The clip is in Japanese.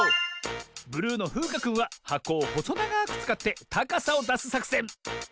ブルーのふうかくんははこをほそながくつかってたかさをだすさくせん。